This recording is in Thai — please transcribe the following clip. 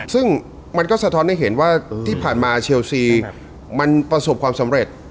ซึ่งมันก็สะท้อนให้เห็นว่าที่ผ่านมาเชลซีมันประสบความสำเร็จ